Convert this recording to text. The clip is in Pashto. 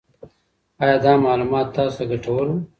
آیا دا معلومات تاسو ته ګټور وو؟